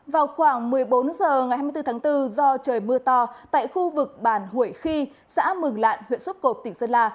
vào khoảng một mươi bốn h ngày hai mươi bốn tháng bốn do trời mưa to tại khu vực bản hủy khi xã mường lạn huyện xúc cộp tỉnh sơn la